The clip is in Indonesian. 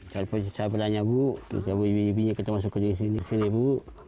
terpisah belanya bu kita masuk ke sini bu